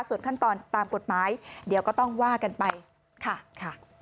ส่วนขั้นตอนตามกฎหมายเดี๋ยวก็ต้องว่ากันไปค่ะ